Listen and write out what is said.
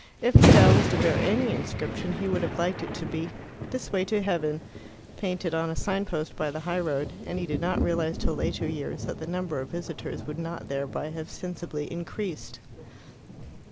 If the dell was to bear any inscription, he would have liked it to be "This way to Heaven," painted on a sign post by the high road, and he did not realize till later years that the number of visitors would not thereby have sensibly increased.